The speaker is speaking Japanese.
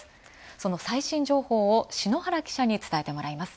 その最新情報を、篠原記者に伝えてもらいます。